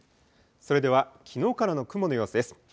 それではきのうからの雲の様子です。